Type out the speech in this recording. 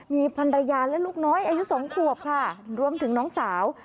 มีภรรยาและลูกน้อยอายุ๒ขวบค่ะรวมถึงน้องสาว